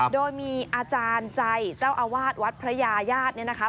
โดยมีอาจารย์ใจเจ้าอาวาสวัดพระยาญาติเนี่ยนะคะ